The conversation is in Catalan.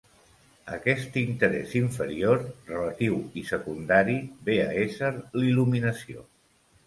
Aquest interès inferior, relatiu i secundari ve a ésser l'il·luminació…